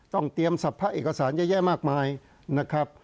ต้องเตรียมสรรพะเอกสารเยอะแยะมากมายนะครับ